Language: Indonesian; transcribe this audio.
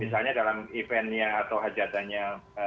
misalnya dalam eventnya atau hajatannya